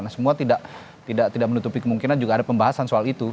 nah semua tidak menutupi kemungkinan juga ada pembahasan soal itu